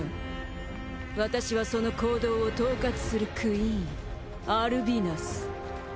私はその行動を統括するクイーンアルビナス。